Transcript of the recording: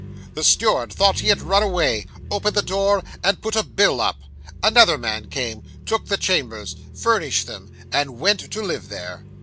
The steward thought he had run away: opened the door, and put a bill up. Another man came, took the chambers, furnished them, and went to live there.